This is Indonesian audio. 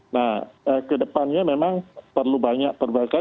nah ke depannya memang perlu banyak perbaikan